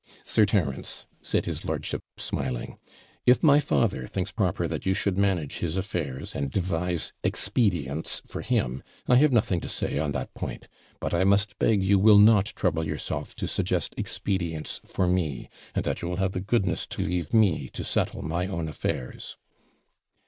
'Sir Terence,' said his lordship, smiling, 'if my father thinks proper that you should manage his affairs, and devise expedients for him, I have nothing to say on that point; but I must beg you will not trouble yourself to suggest expedients for me, and that you will have the goodness to leave me to settle my own affairs.'